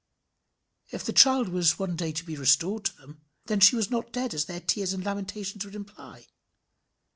If the child was to be one day restored to them, then she was not dead as their tears and lamentations would imply.